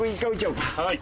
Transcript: はい。